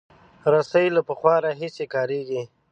رسۍ له پخوا راهیسې کارېږي.